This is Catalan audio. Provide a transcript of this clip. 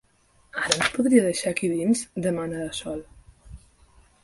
Ara ens podria deixar aquí dins? —demana la Sol.